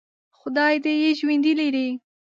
خدای دې یې ژوندي لري.